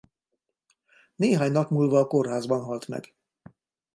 Néhány nap múlva a kórházban halt meg.